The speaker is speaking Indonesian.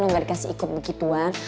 lo gak dikasih ikut begituan